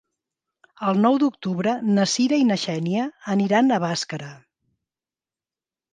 El nou d'octubre na Sira i na Xènia aniran a Bàscara.